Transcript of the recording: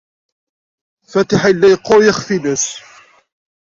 Fatiḥa yella yeqqur yiɣef-nnes.